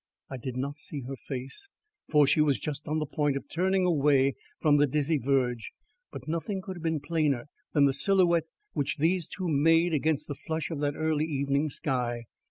I did not see her face, for she was just on the point of turning away from the dizzy verge, but nothing could have been plainer than the silhouette which these two made against the flush of that early evening sky.